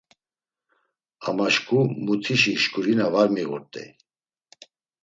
Ama şǩu mutişi şǩurina var miğurt̆ey.